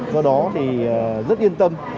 do đó thì rất yên tâm